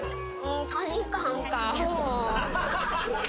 カニ感か。